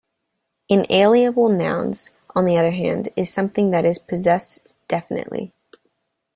Inalienable nouns, on the other hand, is something that is possessed definitely.